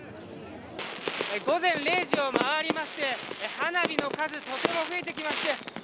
午前０時を回りまして花火の数がとても増えてきまして。